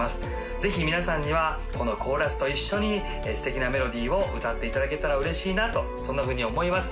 ぜひ皆さんにはこのコーラスと一緒に素敵なメロディーを歌っていただけたら嬉しいなとそんなふうに思います